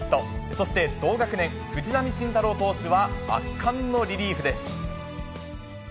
そして同学年、藤浪晋太郎投手は圧巻のリリーフです。